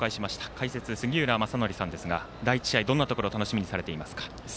解説、杉浦正則さんですが第１試合、どんなところを楽しみにされていますか？